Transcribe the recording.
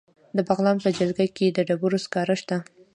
د بغلان په جلګه کې د ډبرو سکاره شته.